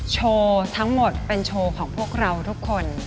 โชว์ทั้งหมดเป็นโชว์ของพวกเราทุกคน